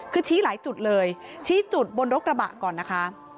คือชี้หลายจุดเลยชี้จุดบนรถกระบะก่อนนะคะ